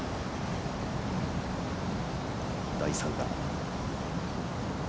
第３打。